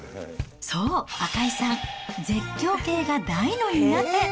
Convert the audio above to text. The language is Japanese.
そう、赤井さん、絶叫系が大の苦手。